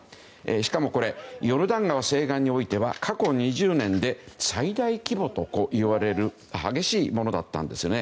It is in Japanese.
しかもヨルダン川西岸においては過去２０年で最大規模といわれる激しいものだったんですね。